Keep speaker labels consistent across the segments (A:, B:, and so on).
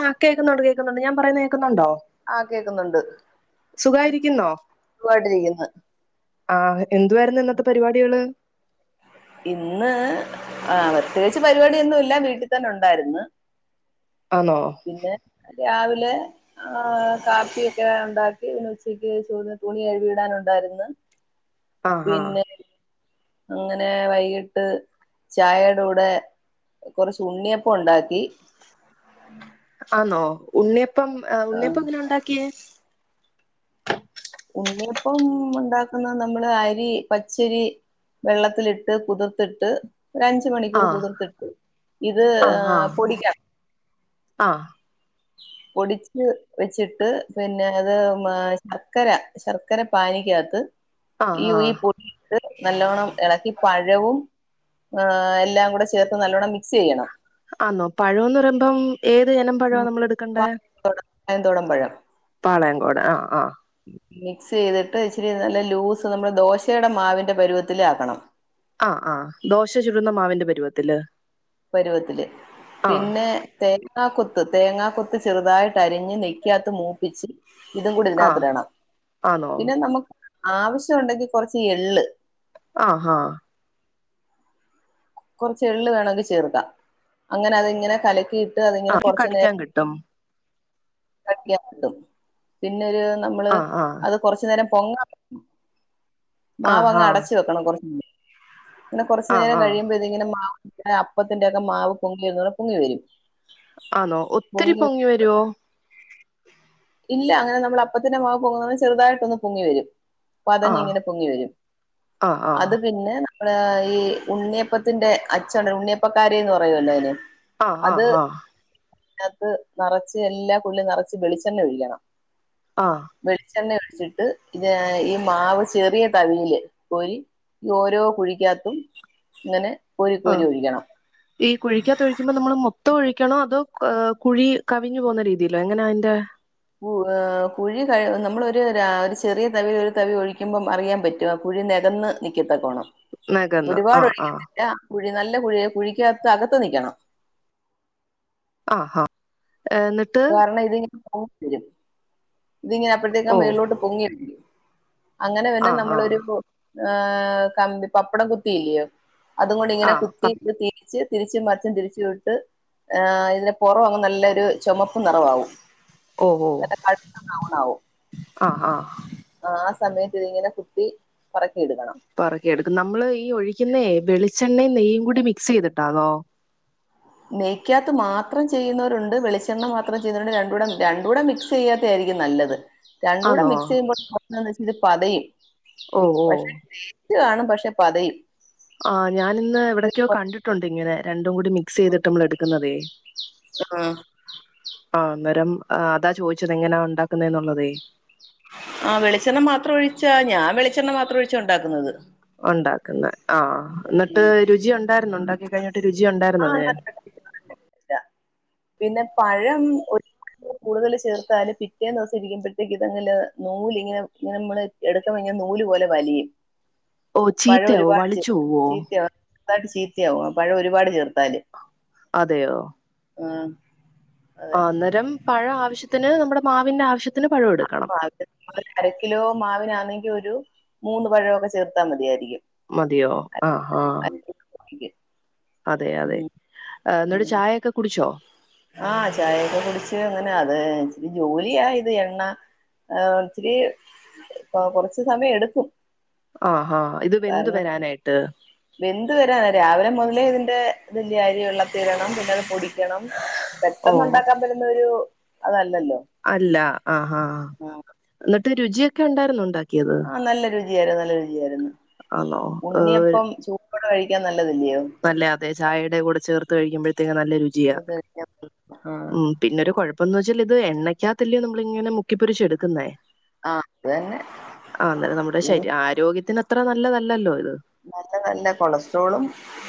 A: ആ കേക്കുന്നുണ്ട് കേ ക്ന്നുണ്ട് ഞാൻ പറയുന്ന കേക്കുന്നുണ്ടോ
B: ആഹ് കേക്കുന്നുണ്ട്
A: സുഖായിരിക്കുന്നോ
B: സുഖയിട്ടിരിക്ക്ന്ന്
A: ആഹ് എന്തു വായിരുന്നു ഇന്നത്തെ പരിപാടികള്
B: ഇന്ന് ആ പ്രത്യേകിച്ച് പരിപാടിന്നും ഇല്ല വീട്ടിൽ തന്നെ ഉണ്ടായിര്ന്ന്
A: ആന്നോ
B: പിന്നെ രാവിലെ ആഹ് കാപ്പിയൊക്കെ ഒണ്ടാക്കി ഇന്ന് ഉച്ചക്ക് [unintelligible] തുണി കഴുകിയിടാനുണ്ടായിരുന്നു
A: ആഹ് ആഹ്
B: പിന്നെ അങ്ങനെ വൈകിട്ട് ചായേടെ കൂടെ കൊറച്ച് ഉണ്ണിയപ്പം ഉണ്ടാക്കി.
A: ആണോ ഉണ്ണിയ ഇപ്പം
B: ആ,
A: ഉണ്ണിയപ്പ ങ്ങനെ ഉണ്ടാക്കിയേ?
B: ഉണ്ണിയപ്പം ഉണ്ടാക്കുന്ന നമ്മള് അരി പച്ചരി വെള്ളത്തിലിട്ട് പുതർത്തിട്ട് ഒരു അഞ്ച് മണിക്കൂർ
A: ആഹ്
B: കുതിർത്തിട്ട് ഇത്
A: ആഹ് ആഹ്
B: പൊടിക്ക
A: ആഹ്
B: പൊടിച്ച് വെച്ചിട്ട് പിന്നെ അത് മ ശർക്കര ശർക്കര പാനിക്കകത്ത് ഈ
A: ആഹ്
B: യുയി
A: ആഹ്
B: പൊടി ഇട്ട് നല്ലോണം എളക്കി പഴവും ആ എല്ലാം കൂടെ ചേർത്ത് നല്ലോണ്ണം മിക്സ് ചെയ്യണം.
A: ആന്നോ പഴോന്ന് പറയുമ്പം ഏത് എനം പഴാ നമ്മള് എടുക്കേണ്ട
B: കായംതോടൻ പഴം
A: പാളയൻ ടൻ ആഹ് ആഹ്
B: മിക്സ് ചെയ്തിട്ട് ഇച്ചിരി നല്ല ലൂസ് നമ്മടെ ദോശേൻ്റെ മാവിന്റെ പരുവത്തിലാക്കണം.
A: ആഹ് ആഹ് ദോശ ചുടുന്ന മാവിന്റെ പരുവത്തില്.
B: പരുവത്തില്
A: ആഹ്
B: പിന്നെ തേ തേങ്ങാ കൊത്ത് തേങ്ങാ കൊത്ത് ചെറുതായിട്ട് അരിഞ്ഞ് നെയ്ക്കാത്ത് മൂപ്പിച്ച് ഇതും കൂടി ഇതിനാത്ത്
A: ആഹ്
B: ഇടണം
A: ആന്നോ
B: പിന്നെ നമ്മക്ക് ആവശ്യം ഒണ്ടെങ്കി കൊറച്ച് എള്ള്
A: ആഹ് ആഹ്
B: കൊറച്ച് എള്ള് വേണെങ്കി ചേർക്കാം അങ്ങനെ അത് ഇങ്ങനെ കലക്കി അതിങ്ങനെ
A: ആഹ്
B: കൊറച്ചു
A: കടിക്കാൻ
B: നേരം
A: കിട്ടും
B: കടിക്കാൻ കിട്ടും പിന്നൊര് നമ്മള്
A: ആഹ് ആഹ്
B: അത് കുറച്ച് നേരം പൊങ്ങ
A: ആഹ്
B: മാവങ്ങ്
A: ആഹ്
B: അടച്ചു വെക്കണം കുറച്ച് [unintelligible] ന്നെ കൊറച്ച്
A: ആഹ്
B: നേരം
A: ആഹ്
B: കഴിയ്മ്പ മാ അപ്പത്തിന്റെക്കെ മാവ് പൊങ്ങി വരുന്നടെ പൊങ്ങി വരും
A: ആണോ ഒത്തിരി പൊങ്ങി വരുവോ
B: ഇല്ല അങ്ങനെ നമ്മൾ അപ്പത്തിന്റെ മാവ് പൊങ്ങുന്നത് ചെറുതായിട്ട് ഒന്ന് പൊങ്ങി വരും
A: ആഹ്
B: പതഞ്ഞിങ്ങനെ പൊങ്ങി വരും
A: ആഹ് ആഹ്
B: അത് പിന്നെ മ്മള് ഈ ഉണ്ണിയപ്പ ത്തിന്റെ അച്ചുണ്ട് ഉണ്ണിയപ്പക്കാര എന്ന് പറയുമല്ലോ അയ്ന്
A: ആ ആ ആ
B: അതിനകത്ത് നറച്ച് എല്ലാ കുയ്ലും നറച്ച് വെളിച്ചെണ്ണ ഒഴിക്കണം
A: ആ
B: ചെണ്ണ ഒഴിച്ചിട്ട് പിന്നെ ഈ മാവ് ചെറിയ തവിൽ കോരി ഈ ഓരോ കുഴിക്കാത്തും ഇങ്ങനെ കോരി
A: ആ
B: കോരി ഒഴിക്കണം
A: ഈ കുഴിക്കാത്ത് ഒഴിക്കുമ്പോ നമ്മള് മൊ ത്തം ഒഴിക്കണോ അതോ കുഴി കവിഞ്ഞു പോകുന്ന രീതിയിലോ എങ്ങനെയാ അതിന്റെ
B: കുഴി കഴ നമ്മളൊ ഒരു ഒരു ചെറിയ തവി ഒരു തവി ഒഴിക്കുമ്പം അറിയാൻ പറ്റും കുഴി നികന്ന് നിക്കത്തകോണം
A: നകന്ന്
B: ഒരുപാട്
A: ആഹ് ആഹ്
B: ഒഴിക്കത്തില്ല കുഴി നല്ല കുഴിയെ കുഴിക്കാത്ത് അകത്ത് നിക്കണം
A: ആ ആ
B: കാരണം ഇതിങ്ങ് [unintelligible] ഇതിങ്ങനെ അപ്പഴത്തേക്ക്
A: ഓ
B: മേലോട്ട് പൊങ്ങി അങ്ങനെ പിന്നെ
A: ആഹ് ആഹ്
B: നമ്മളൊരു കൊ ഏ കമ്പി പപ്പടം കുത്തിയില്ലിയൊ അതും കൊണ്ട് ഇങ്ങനെ
A: ആഹ്
B: കുത്തി പ്രത്യേകിച്ച് തിരിച്ച് മറിച്ചും തിരിച്ചു ഇട്ട് ഇതിന് പുറം അങ്ങ് നല്ലൊരു ചുമപ്പ് നിറവാവും
A: ഓ
B: നല്ല കറുത്ത ബ്രൗൺ ആവും
A: ആ ആ
B: ആ ആസമയത്ത് ഇതിങ്ങനെ കുറ്റി
A: പറക്കി എടുക്കും നമ്മള് ഈ ഒഴിക്കുന്നേ വെളിച്ച ച്ചെണ്ണയും നെയ്യും കൂടി മിക്സ് ചെയ്തിട്ടാന്നോ
B: നെയ്ക്കാത്ത് മാത്രം ചെയ്യുന്നവരുണ്ട് വെളിച്ചെണ്ണ മാത്രം ചെയ്യുന്നവരുണ്ട് രണ്ടുടെ രണ്ടുടെ മിക്സ് ചെയ്യാത്തതായിരിക്കും നല്ലത് രണ്ടുടെ
A: ആന്നോ
B: മിക്സ് ചെയ്യുമ്പോൾ ഇത് പതയും
A: ഓ ഓ
B: [unintelligible] കാണും പക്ഷെ പതയും
A: ആ ഞാനിന്ന് എവിടെക്കെയൊ കണ്ടിട്ടുണ്ട് ഇങ്ങനെ രണ്ടും കൂടി മിക്സ് ചെയ്തിട്ട് നമ്മൾ എടുക്കുന്നതേ
B: ആ
A: ആ അന്നേരം അതാ ചോദിച്ചത് എങ്ങനാ ഉണ്ടാക്കുന്നേഎന്നുള്ളതേ?
B: ആ വെളിച്ചെണ്ണ മാ മാത്ര ഒഴിച്ചാ ഞാൻ വെളിച്ചെണ്ണ മാത്ര ഒഴിച്ചാ ഉണ്ടാക്കുന്നത്.
A: ഉണ്ടാക്കുന്നേ. ആ എന്നിട്ട് രുചി ഉണ്ടായിരുന്നോ? ഉണ്ടാക്കി കഴിഞ്ഞിട്ട് രുചി
B: ആഹ്
A: ഉണ്ടായിരുേന്നോതിന്.
B: നല്ല ടേസ്റ്റ് കാണില്ല. പിന്നെ പഴം ഒരു കൂടുതൽ ചേർത്താല് പിറ്റേന്ന് ദിവസം ഇരിക്കുമ്പഴേക്ക് ഇതങ്ങില് നൂല് ഇങ്ങനെ ഇങ്ങനെ നമ്മള് എടുക്കഴിഞ്ഞൽ നൂല് പോലെ വലിയും.
A: ഓ ചീത്തയാവോ വളിച്ച [unintelligible]
B: ചെറതായിട്ട് ചീത്തിയാവും പഴം ഒരുപാട് ചേർത്താല്.
A: അതെയോ?
B: ആ
A: ആ അന്നേരം പഴം ആവശ്യത്തിന് നമ്മുടെ മാവിന്റെ ആവശ്യ
B: അപ്പ അ അരക്കിലോ മാവിന അല്ലങ്കിലൊരു ഒരു മൂന്ന് പഴമൊക്കെ ചേർത്താ മതിയായിരിക്കും.
A: മതിയോ? ആ ആ
B: [inaudible]
A: അതെ, അതെ
B: ഉം
A: എന്നിട്ട് ചായയെക്കെ കുടിച്ചോ?
B: ആ ചായയൊക്കെ കുടിച്ച് അങ്ങനെ അത് ഇച്ചരി ജോലിയാ ഇത് എണ്ണ ഇച്ചിരി കുറച്ച്സമയം എടുക്കും.
A: ആ ആ ഇത് വെന്ത് വരാനായിട്ട്.
B: വെന്തു വരാനാ രാവിലെ മുതലേ ഇതിന്റെ ഇതില് അരി വെള്ളത്തിലിടണം. പിന്നെ അത് പൊടി ണം.
A: ഓ
B: പെട്ടെന്ന്ഉണ്ടാക്കാൻ പറ്റുന്ന ഒരു അതെ
A: അല്ല. ആ ഹാ ഹാഎന്നി രുചിയൊക്കെ ഉണ്ടായിരുന്നോണ്ടാക്കി
B: ആ നല്ലൊരു യിരുന്നു. നല്ല രുചിആയിരുന്നു.
A: അന്നോ ഏ
B: ഇപ്പംകഴിക്കാൻ ന
A: ല്ലേ അതെ ചായയുടെ കൂടെ ചേർത്ത് കഴിക്കു നല്ല രുചിയാ.
B: ഇത് ആഹ്
A: ഉം പിന്നൊരു കുഴ അപ്പന്ന് വച്ചാൽ ഇത് എണ്ണക്കാത്ത ല്ലിയോ നമ്മളങ്ങനെ മുക്കി പൊരിച്ചെടുക്കുന്നേ.
B: ആഹ് അത് തന്നെ
A: ആ അന്നേരം നമ്മുടെ ശ ആരോഗ്യത്തിന് അത്ര നല്ലതല്ലല്ലോ ഇത്
B: നല്ല നല്ല കൊളസ്ട്രോളും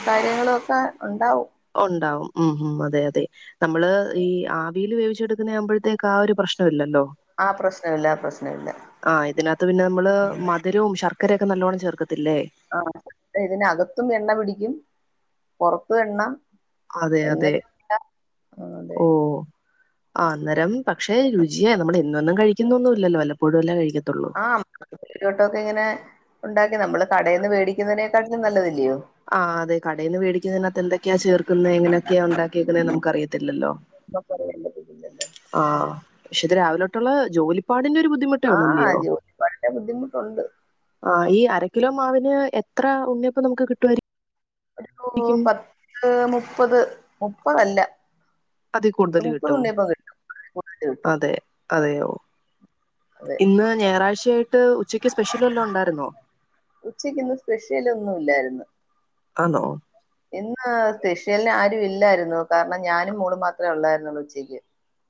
B: കാര്യങ്ങളൊക്കെ ഉണ്ടാവും
A: ഉണ്ടാവും ഉം ഉംഅതെ അതെ നമ്മള് ഈ ആവിയിൽ വേവി ച്ചെടുക്കുന്ന ആവുമ്പഴത്തേക്ക് ആ ഒരു പ്രശ്നം ഇല്ലല്ലോ
B: ആ പ്രശ്നമില്ല ആ പ്രശ്നമില്ല
A: ആ ഇതിനകത്ത് പിന്നെ നമ്മള് മധുരവും ശർ ശർക്കരൊക്കെ നല്ലോണം ചേർക്ക്
B: ആ ഇതിനകത്തും എണ്ണ പിടിക്കും പുറത്തും എണ്ണ
A: അതെ
B: എണ്ണ
A: അതെ
B: പിടിക്കില്ല. അതെ
A: ഓ ആ അന്നേരം പക്ഷെ രു ചിയാ നമ്മള് എന്നു വെന്നും കഴിക്കുന്നൊന്നുല്ലല്ലോ വല്ലപ്പോഴുവല്ലാ കഴിക്ക
B: ആ ഒരു വട്ടവൊക്കെ ഇങ്ങനെ ഉണ്ടാക്കി നമ്മള് കടേന്ന് വേടിക്കുന്നതിനെ ക്കാ [unintelligible] നല്ലതല്ലേ
A: ആ അതെ കടേന്ന് വേടിക്കുന്നതിനകത്ത് എന്തൊക്കെയാ ചേർക്കുന്നത് എങ്ങനെയൊക്കെയാ ഉണ്ടാക്കിയേക്കുന്നതെന്ന് നമുക്ക് അറിയത്തില്ലല്ലോ ആഹ് പക്ഷെ ഇത് രാവിലെ തൊട്ടുള്ള ജോലിപ്പാടില്
B: ആഹ്
A: ബുദ്ധിമുട്ടാണല്ലിയോ
B: ജോലി വളരെ ബുദ്ധിമുട്ടുണ്ട്
A: ആ ഈ അരകിലോ മാവിന് എത്ര ഉണ്ണിയപ്പം നമുക്ക് കി റ്റ്വൻ്റി
B: ഒരു പത്ത് മുപ്പത് പ്പതല്ല
A: അതി കൂടുതല് കിട്ടും
B: കൂടുതല് കിട്ടും
A: അതെ അതെയോ
B: അതെ
A: ഇന്ന് ഞായറാഴ്ചയായിട്ട് ഉച്ചക്ക് സ്പെഷ്യൽ വല്ലോം ഉണ്ടാരുന്നോ
B: ഉച്ചക്കിന്ന് സ്പെഷ്യലൊന്നും ഇല്ലായിരുന്നു
A: ആണോ
B: ഇന്ന് സ്പെഷ്യൽ ന് ആരും ഇല്ലാരുന്നു കാരണം ഞാനും മോളും മാത്രേ ഉള്ളാര്ന്നൊള്ളൂ ഉച്ചയ്ക്ക്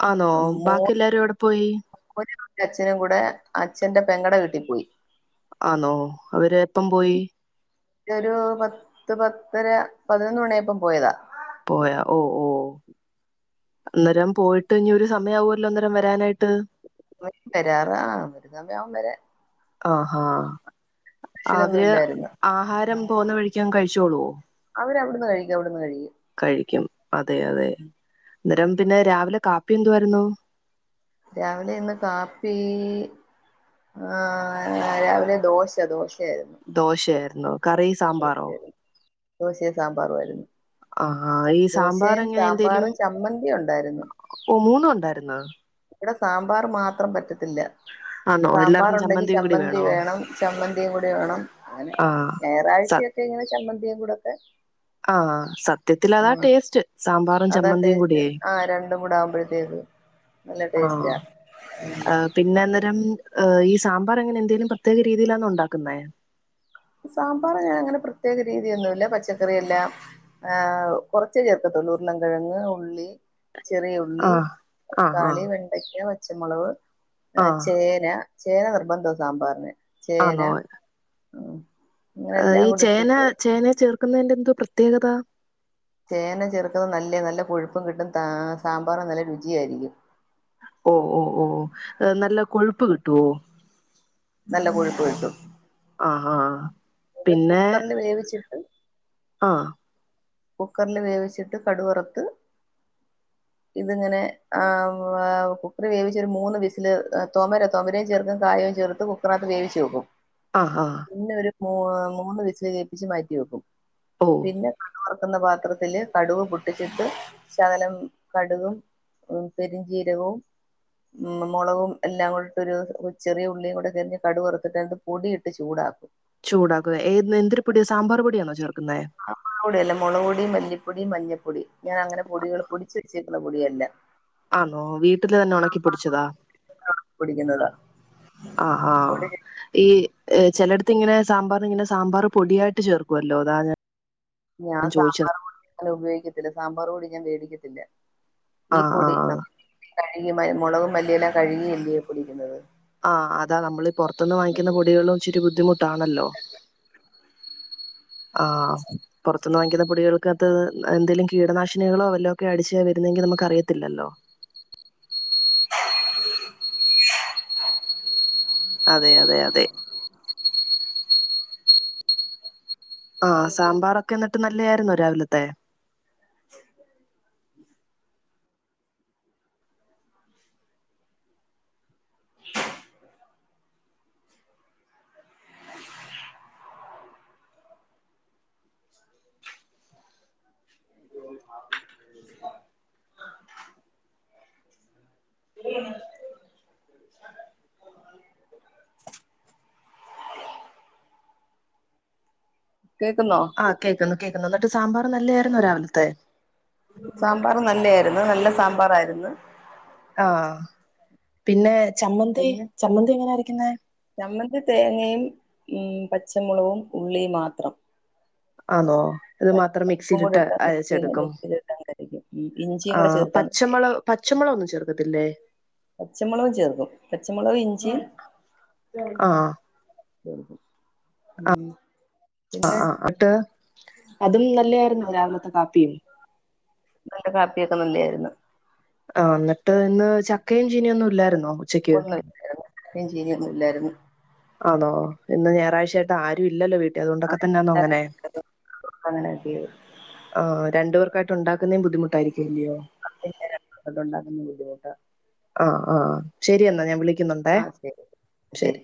A: ആന്നോ
B: ഉം,
A: ബാക്കി
B: മോനും
A: എല്ലാരും എവിടെ പോയി
B: [unintelligible] അച്ഛനും കൂടെ അച്ഛന്റെ പെങ്ങടെ വീട്ടിൽ പോയി
A: ആന്നോ അവര് എപ്പം പോയി
B: രൊരു പത്ത് പത്തര പതിനൊന്ന് മണിയായപ്പം പോയതാ
A: പോയാ ഓ ഓ അന്നേരം പോയിട്ട് ഇനി ഒരു സമയവൊല്ലോ അന്നേരം വരാനായിട്ട്
B: വരും വരാറാ ഒരു സമ യാവും വരാൻ
A: ആ ഹാ
B: സ്പെഷ്യലൊന്നും
A: അവര്
B: ഇല്ലായിരുന്നു
A: ആഹാരം പോവുന്ന വഴിക്ക് അങ് കഴിച്ചോളോ
B: അവരവിടുന്ന് കഴിക്കും അവിടുന്ന് കഴിക്കും
A: കഴിക്കും അതെ അതെ അന്നേരം പിന്നെ രാവിലെ കാ ഇപ്പ എന്തുവാരുന്നു
B: രാവിലെ ഇന്ന് കാപ്പി ആ രാവിലെ ദോശ ദോശയാ
A: ദോശയായിരുന്നോ? കറി, സാമ്പാറോ?
B: ദോശേം സാമ്പാറു ആരുന്നു.
A: ആ ഈ സാമ്പാർ എങ്ങനെ എന്തേലും
B: ചമ്മന്തി ഉണ്ടായിരുന്നു
A: ഓ മൂന്നും ഒണ്ടാരുന്നാ?
B: ഇവിടെ സാമ്പാർറ് മാത്രം പറ്റത്തി ത്തില്ല
A: ആണോ എല്ലാർക്കും
B: സാമ്പാറൊണ്ടെങ്കി
A: ചമ്മന്തിയും കൂടി
B: ചമ്മന്തി
A: വേണോ
B: വേണം ചമ്മന്തിയും കൂടി വേണം അങ്ങനെ
A: ആഹ് സ
B: ഞായറാഴ്ചയൊക്കെ ഇങ്ങനെ ചമ്മന്തിയും കൂടൊക്കെ
A: ആഹ് സത്യത്തിലതാ ടേസ്റ്റ് സാമ്പാറും
B: അതാ
A: ചമ്മന്തിയും
B: ടേസ്റ്റ്
A: കൂട്യേ
B: ആ രണ്ടും കൂടെ ആവുമ്പോഴത്തേക്ക് നല്ല
A: ആഹ്
B: ടേസ്റ്റാ
A: ആ പിന്നന്നേരം ഏഹ് ഈ സാമ്പാറെങ്ങനെ എന്തേലും പ്രത്യേക രീതീലാന്നോ ഉണ്ടാക്കുന്നേ
B: സാമ്പാർ ക്കറിയെല്ലാം ഏഹ് കൊർച് ചേർക്കത്തൊള്ളു ഉരുളൻകിഴങ്ങ് ഉള്ളി ചെറിയുള്ളി
A: ആഹ് ആഹ്
B: തക്കാളി
A: ആഹ്
B: വെണ്ടയ്ക്ക പച്ച് ച്ചമുളവ് എഹ്
A: ആഹ്
B: ചേന ചേന നിർബന്ധ സാമ്പാറിന് ചേന
A: ആന്നോ
B: ഉം അങ്ങനെ
A: അഹ്
B: എല്ലാം
A: ഈ
B: കൂടി
A: ചേന
B: ഇട്ടിട്ട്
A: ചേന ചെർ ക്കുന്നതെന്റെന്തോ പ്രത്യേകത
B: ചേന ചെറുതോ ന്നല്ലേ നല്ല കൊഴുപ്പും കിട്ടും താ സാമ്പാറും നല്ല രുചിയായിരിക്കും
A: ഓ ഓ ഓ നല്ല കൊഴുപ്പ് കിട്ടുവോ
B: നല്ല കൊഴുപ്പ് കിട്ടും.
A: ആഹ് ഹാ
B: അത് കുക്കറിൽ വേവിച്ചിട്ട്
A: ആ
B: കുക്കറിൽ വേവിച്ചിട്ട് കടുവറുത്ത്, ഇതിങ്ങനെ ആ ആ കുക്കറി വേവിച്ചൊരു മൂന്ന് വിസില്, തൊമര തൊമരയും ചേർക്കും കായവും ചേർത്ത് കുക്കറിനകത്ത് വേവിച്ച് വെക്കും.
A: ആഹ് ഹാ
B: ഓഹ് മൂന്ന് വിസില് കേപ്പിച്ച് മാറ്റി വെക്കും.
A: ഓ
B: പിന്നെ വറക്കുന്ന പാത്രത്തില് കടുവ് പൊട്ടിച്ചിട്ട് ശകലം കടുകും ഉം പെരിഞ്ചീരകവും ഉം മൊളവും എല്ലാം കൂടെട്ടൊരു ചെറിയ ഉള്ളിയും കൂടെ രിഞ്ഞ് കടു വറുത്തിട്ടത് പൊടിയിട്ട് ചൂടാക്കും.
A: ചൂടാക്കുക. ഏ എന്തിരു പൊടിയാസ്
B: ആ ഒടി അല്ല മൊളക് പൊടിയും മല്ലിപ് പൊടിയും മഞ്ഞപ്പൊടി. ഞാൻ അങ്ങനെ പൊടികള് പൊടിച്ച് വെച്ചേക്കുന്ന പൊടിയല്ല.
A: ആന്നോ? വീട്ടില് തന്നെ ഒണക്കിപ്പൊടിച്ചതാ?
B: പൊടിക്കുന്നതാ
A: ആ ആ
B: പൊടി
A: ഈ ഈ ചെലേടത്ത് ഇങ്ങനെ സാമ്പാറിന് ഇങ്ങനെ സാമ്പാറ് പൊടിയായിട്ട് ചേർക്കുവല്ലോ? അതാ ഞാ
B: ഞാൻ സാമ്പാറ്പൊടി അങ്ങനെ ഉപയോഗിക്ക ല്ല സാമ്പാറ്പൊടി ഞാൻ മേടിക്കത്തില്ല. ഈ
A: ആഹ്
B: ഫുഡ്
A: ആഹ്
B: അം കഴുകി മ മുളകും മല്ലിയുമെല്ലാം കഴുകിയല്ലിയോ പൊടിക്കുന്നത്
A: ആ അതാ നമ്മള് പൊറത്തൂന്ന് വാങ്ങിക്കുന്ന പൊടികളും ഇച്ചിരി ദ്ധിമുട്ടാണല്ലോ ആ പുറത്തുന്ന് വാങ്ങിക്കുന്ന- പൊടികൾക്കത്ത് എന്തേലും കീടനാശിനികളോ വല്ലോക്കെ അടിച്ച വരുന്നെങ്കിൽ നമുക്ക് അറിയത്തില്ലല്ലോ
B: [inaudible]
A: അതെ അതെ അതെ ആ സാമ്പാറൊക്കെ എന്ന നല്ലതായിരുന്നോ രാവിലത്തെ [inaudible]
B: കേക്കുന്നോ?
A: ആ കേക്കുന്നു കേക്കുന്നു ഒ ട്ട് സാമ്പാറ് നല്ലയായിരുന്നോ രാവിലത്തെ
B: സാമ്പാറ് നല്ല ആയിരുന്നു നല്ല സാമ്പാറാരുന്നു
A: ആ പിന്നെ ചമ്മന്തി
B: പിന്നെ
A: ചമ്മന്തി എങ്ങനാ അര ക്കുന്നെ
B: ചമ്മന്തി തേങ്ങയും ഉം പച്ചമുളകും ഉള്ളിയും മാത്രം
A: ആന്നോ ഇത്
B: പ-
A: മാത്രം
B: ഉപ്പും കൂടി
A: മിക്സിയിലിട്ട്
B: ഇട്ട് മിക്സിയിൽ
A: അരച്ചെടുക്കും
B: മിക്സിയിലിട്ടങ്ങ് അരക്കും. ഉം ഇഞ്ചിയും
A: ആ
B: കൂടെ ചേർത്താ മതി.
A: പച്ചമുളവ് പച്ചമുളവ് ഒന്നും ചേർക്കത്തില്ലേ
B: പച്ചമുളകും ചേർക്കും പച്ചമുളകും ഇഞ്ചിയും
A: ആ
B: ചക്ക ഉം [unintelligible]
A: ആ ആ അട്ട് അതും നല്ലായിരുന്നോ രാവിലത്തെ കാപ്പിയും
B: നല്ല കാപ്പിയൊക്കെ നല്ലയായിരുന്നു
A: ആ ഇന്നിട്ട് ഇന്ന് ചക്കയും ചീനിയൊന്നും ഇല്ലാരുന്നോ
B: ഒന്നു ഇല്ലാരുന്നു കപ്പയും ചിനിയൊന്നും ഇല്ലാരുന്നു
A: ആണോ ഇന്ന് ഞാറാഴ്ച്ചായ്ട്ട് ആരും ഇല്ലല്ലോ വീ അതുകൊണ്ടൊക്കെ തന്നാണോ അങ്ങനെ
B: ആ അങ്ങനെയൊക്കെ
A: ആ രണ്ടു പേർ ക്കായിട്ടുണ്ടാക്കുന്നേം ബുദ്ധിമുട്ടായിരി
B: [unintelligible] അതുണ്ടാക്കുന്നെ ബുദ്ധിമുട്ടാ
A: ആ ആ ശരിയെന്നാ ഞാൻ വിളി
B: ആ ശരി ശരി